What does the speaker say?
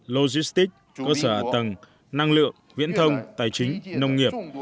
logistic cơ sở tầng năng lượng viễn thông tài chính nông nghiệp